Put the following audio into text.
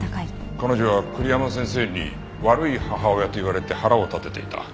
彼女は栗山先生に悪い母親と言われて腹を立てていた。